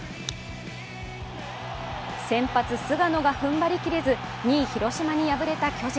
先発・菅野がふんばりきれず２位広島に敗れた巨人。